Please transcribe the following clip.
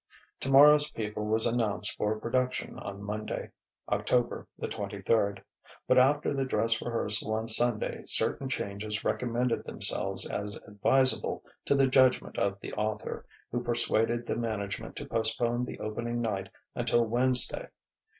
"Tomorrow's People" was announced for production on Monday, October the twenty third. But after the dress rehearsal on Sunday certain changes recommended themselves as advisable to the judgment of the author, who persuaded the management to postpone the opening night until Wednesday.